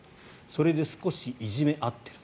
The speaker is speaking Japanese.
それで少しいじめに遭ってる。